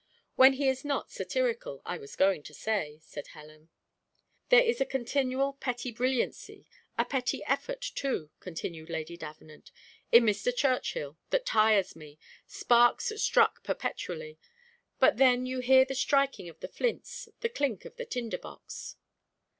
"When he is not satirical I was going to say," said Helen. "There is a continual petty brilliancy, a petty effort too," continued Lady Davenant, "in Mr. Churchill, that tires me sparks struck perpetually, but then you hear the striking of the flints, the clink of the tinder box."